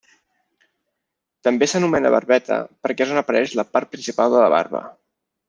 També s'anomena barbeta perquè és on apareix la part principal de la barba.